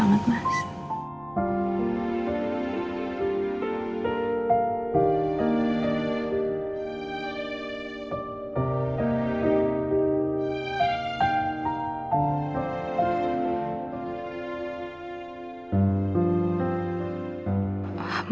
kamu tidur nyenyak banget mas